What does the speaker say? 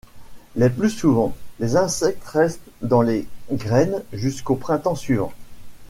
Le plus souvent les insectes restent dans les graines jusqu'au printemps suivant.